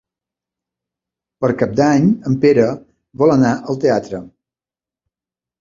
Per Cap d'Any en Pere vol anar al teatre.